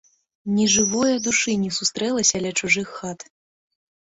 Ні жывое душы не сустрэлася ля чужых хат.